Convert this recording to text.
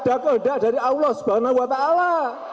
ada kehendak dari allah subhanahu wa ta'ala